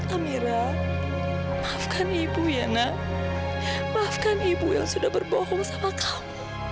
amira maafkan ibu ya nak maafkan ibu yang sudah berbohong sama kamu